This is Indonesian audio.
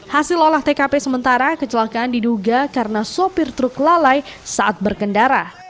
hasil olah tkp sementara kecelakaan diduga karena sopir truk lalai saat berkendara